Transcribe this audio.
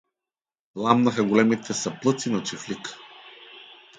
Пламнаха големите саплъци на чифлика.